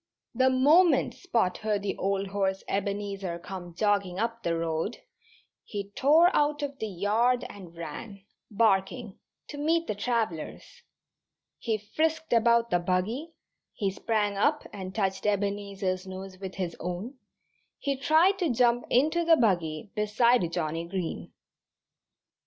The moment Spot heard the old horse Ebenezer come jogging up the road he tore out of the yard and ran, barking, to meet the travellers. He frisked about the buggy, he sprang up and touched Ebenezer's nose with his own, he tried to jump into the buggy beside Johnnie Green.